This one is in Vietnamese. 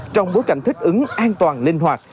trong bối cảnh thích ứng an toàn linh hoạt